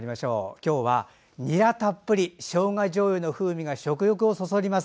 今日は、にらたっぷりしょうがじょうゆの風味が食欲をそそります。